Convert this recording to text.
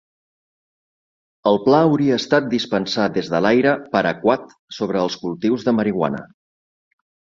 El pla hauria estat dispensar des de l'aire Paraquat sobre els cultius de marihuana.